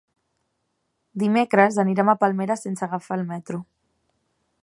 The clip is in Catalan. Dimecres anirem a Palmera sense agafar el metro.